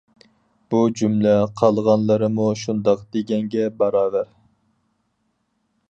بۇ جۈملە قالغانلىرىمۇ شۇنداق، دېگەنگە باراۋەر.